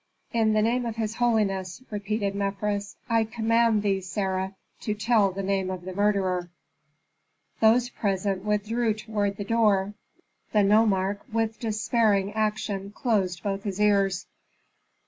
"In the name of his holiness," repeated Mefres, "I command thee, Sarah, to tell the name of the murderer." Those present withdrew toward the door; the nomarch with despairing action closed both his ears.